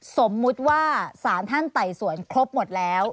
สมมุติว่าสารท่านไต่สวนครบหมดแล้ว